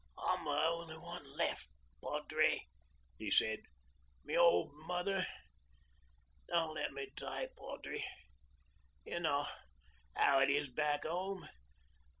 'I'm the only one left, padre,' he said. 'My old mother. ... Don't let me die, padre. You know how it is, back home.